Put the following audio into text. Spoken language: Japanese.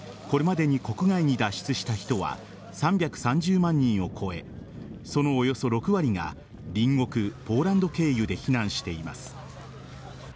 これまでに国外に脱出した人は３３０万人を超えそのおよそ６割が隣国・ポーランド経由で避難しています。